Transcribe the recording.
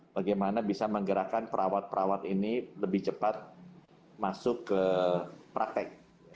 bagaimana bisa menggerakkan perawat perawat ini lebih cepat masuk ke praktek